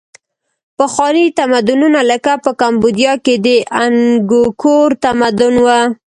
پخواني تمدنونه لکه په کامبودیا کې د انګکور تمدن و.